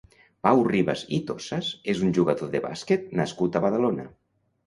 Pau Ribas i Tossas és un jugador de bàsquet nascut a Badalona.